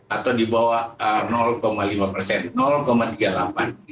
atau di bawah lima persen